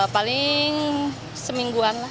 mungkin semingguan lah